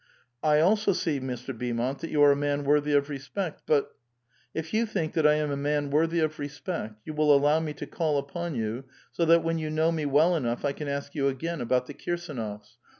^^ I also see, Mr. Beaumont, that you are a man worthy of respect, but —"*' If you think that I am a man worthy of respect, you will aUow me to call upon you, so that when you know me well enough, I can ask you again about the KirsAnofs.